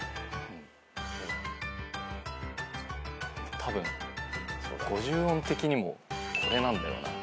たぶん五十音的にもこれなんだよな。